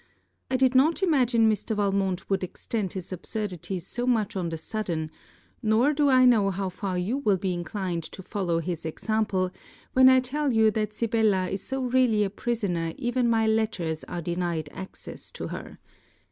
I did not imagine Mr. Valmont would extend his absurdities so much on the sudden, nor do I know how far you will be inclined to follow his example, when I tell you that Sibella is so really a prisoner even my letters are denied access to her.